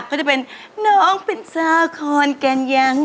ก็จะเป็นน้องเป็นสาคอนแก่นยัง